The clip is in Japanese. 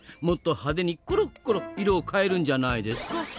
もっと派手にころころ色を変えるんじゃないですか？